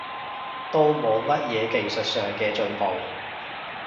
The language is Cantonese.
都冇乜嘢技術上嘅進步